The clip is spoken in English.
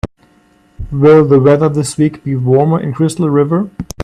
Will the weather this week be warmer in Crystal River?